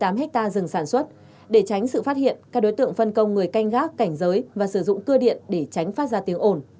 tại hai mươi tám hectare rừng sản xuất để tránh sự phát hiện các đối tượng phân công người canh gác cảnh giới và sử dụng cưa điện để tránh phát ra tiếng ồn